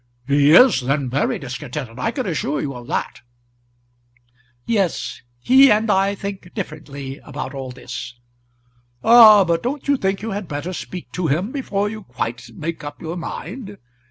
"He is, then, very discontented. I can assure you of that." "Yes; he and I think differently about all this." "Ah, but don't you think you had better speak to him before you quite make up your mind?